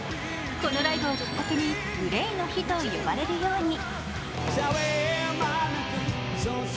このライブをきっかけにＧＬＡＹの日と呼ばれるように。